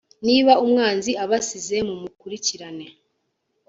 niba umwanzi abasize mumukurikirane